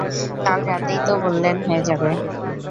কাল রাতেই তো বললেন হয়ে যাবে।